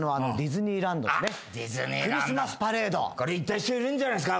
行った人いるんじゃないですか？